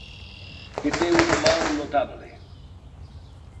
Que té un mal notable.